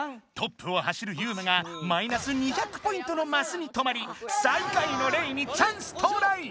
トップを走るユウマがマイナス２００ポイントのマスに止まり最下位のレイにチャンス到来！